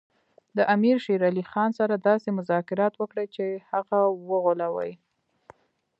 د امیر شېر علي خان سره داسې مذاکرات وکړي چې هغه وغولوي.